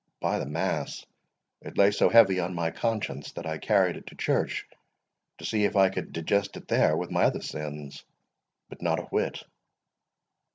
By the mass, it lay so heavy on my conscience, that I carried it to church to see if I could digest it there with my other sins. But not a whit."